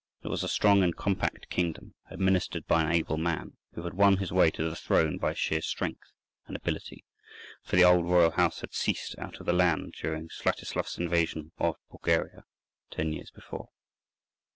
It was a strong and compact kingdom, administered by an able man, who had won his way to the throne by sheer strength and ability, for the old royal house had ceased out of the land during Swiatoslaf's invasion of Bulgaria ten years before.